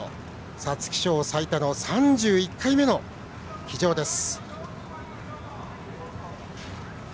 皐月賞最多の３１回目の騎乗です。